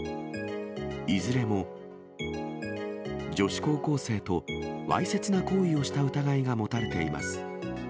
いずれも、女子高校生とわいせつな行為をした疑いが持たれています。